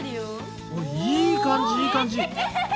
いい感じいい感じ！